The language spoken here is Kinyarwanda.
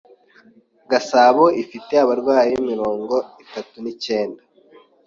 Gasabo ifite abarwayi mirongo itatu ni cyenda